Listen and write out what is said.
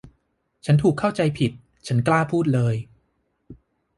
ฉันถูกเข้าใจผิด ฉันกล้าพูดเลย